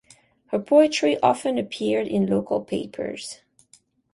Her poetry often appeared in local papers.